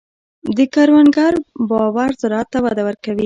د کروندګر باور زراعت ته وده ورکوي.